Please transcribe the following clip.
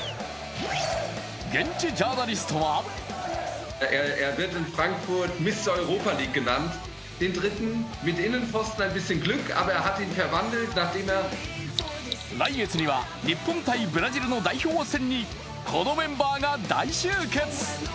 現地ジャーナリストは来月には日本×ブラジルの代表戦にこのメンバーが大集結。